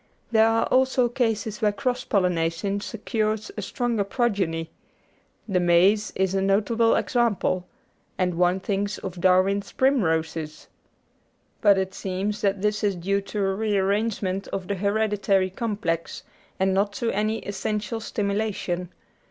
There are also cases where cross pollination secures a stronger progeny; the maize is a notable example, and one thinks of Darwin's primroses. But it seems that this is due to a re arrangement of the hereditary complex, and not to any essential stimulation.